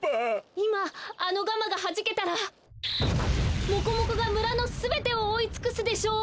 いまあのガマがはじけたらモコモコがむらのすべてをおおいつくすでしょう！